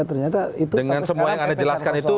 ternyata dengan semua yang anda jelaskan itu